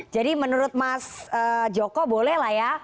jadi menurut mas joko boleh lah ya